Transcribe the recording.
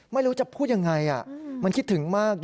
ไม่รู้จะพูดยังไงมันคิดถึงมาก